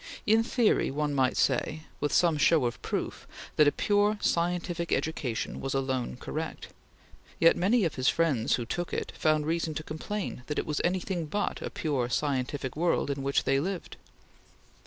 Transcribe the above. In theory one might say, with some show of proof, that a pure, scientific education was alone correct; yet many of his friends who took it, found reason to complain that it was anything but a pure, scientific world in which they lived.